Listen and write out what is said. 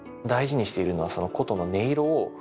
大事にしているのはその筝の音色を。